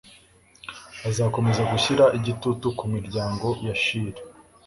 azakomeza gushyira igitutu ku miryango ya Shili